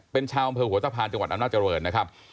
เป็นชาวอำเภอหัวตะพานจังหวัดอำนาจริงนะครับ